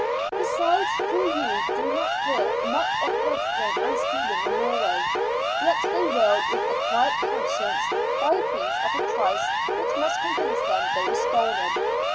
Besides, though you do not hear of much pilfering and stealing in Norway, yet they will, with a quiet conscience, buy things at a price which must convince them they were stolen.